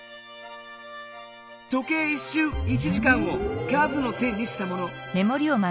時計１しゅう１時間を数の線にしたもの。